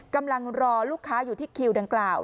กำลังรอลูกค้าอยู่ที่คิวดังกล่าว